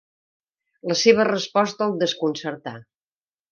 La seva resposta el desconcertà.